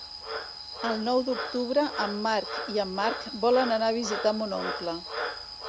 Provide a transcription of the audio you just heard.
El nou d'octubre en Marc i en Marc volen anar a visitar mon oncle.